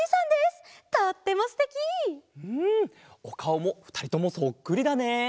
おかおもふたりともそっくりだね。